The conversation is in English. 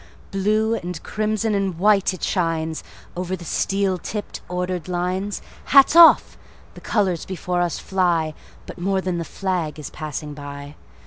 Blue and crimson and white it shines, Over the steel tipped, ordered lines. Hats off! The colors before us fly; But more than the flag is passing by.